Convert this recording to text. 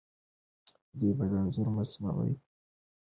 انځور د مصنوعي او لمر رڼا انعکاس ښيي.